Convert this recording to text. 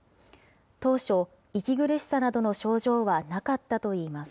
当初、息苦しさなどの症状はなかったといいます。